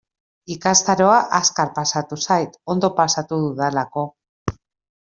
Ikastaroa azkar pasatu zait, ondo pasatu dudalako.